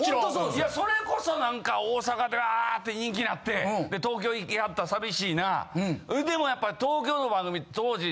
いやそれこそなんか大阪でワーッと人気なって東京行きはった寂しいなでもやっぱ東京の番組当時。